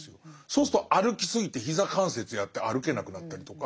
そうすると歩き過ぎて膝関節やって歩けなくなったりとか。